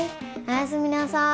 おやすみなさい。